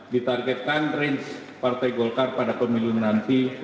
ditargetkan range partai golkar pada pemilu nanti